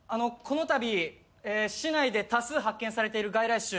このたび市内で多数発見されている外来種。